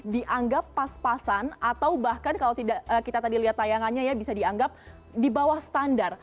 dianggap pas pasan atau bahkan kalau kita tadi lihat tayangannya ya bisa dianggap di bawah standar